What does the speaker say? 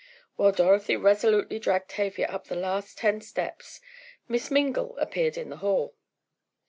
While Dorothy resolutely dragged Tavia up the last ten steps, Miss Mingle appeared in the hall.